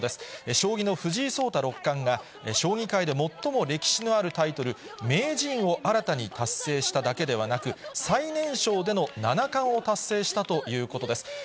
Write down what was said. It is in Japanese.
将棋の藤井聡太六冠が、将棋界で最も歴史のあるタイトル、名人を新たに達成しただけではなく、最年少での七冠を達成したということです。